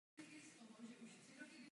Je to problém, který je potřeba řešit.